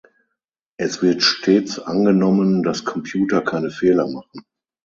Es wird stets angenommen, dass Computer keine Fehler machen.